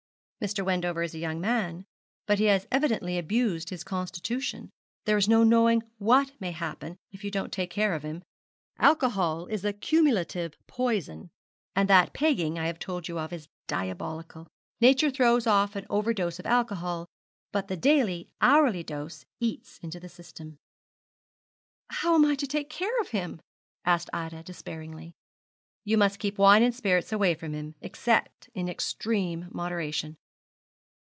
'Mr. Wendover is a young man, but he has evidently abused his constitution; there is no knowing what may happen if you don't take care of him. Alcohol is a cumulative poison, and that "pegging" I have told you of is diabolical. Nature throws off an over dose of alcohol, but the daily, hourly dose eats into the system.' 'How am I to take care of him?' asked Ida, despairingly. 'You must keep wine and spirits away from him, except in extreme moderation.'